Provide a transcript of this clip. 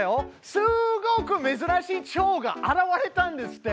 すっごくめずらしいチョウが現れたんですって？